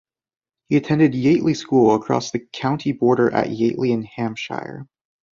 He attended Yateley School across the county border at Yateley in Hampshire.